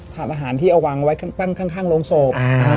ถาดอาหารที่เอาวางไว้ข้างโรงโศพ